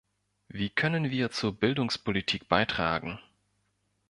Wie können wir zur Bildungspolitik beitragen?